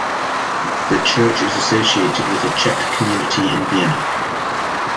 The church is associated with the Czech community in Vienna.